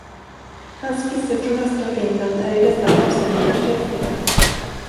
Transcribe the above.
Hans skisser från östra Finland är i detta avseende förträffliga.